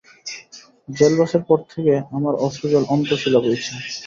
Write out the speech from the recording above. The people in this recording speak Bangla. জেলবাসের পর থেকে আমার অশ্রুজল অন্তঃশীলা বইছে।